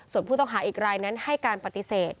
ส่วนผู้ต้องหาอีกรายนั้นให้การปฏิเสธ